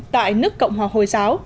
tại nước cộng hòa hồi giáo